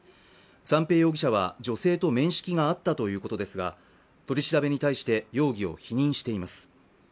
三瓶容疑者は女性と面識があったということですが、取り調べに対して、容疑を否認しています。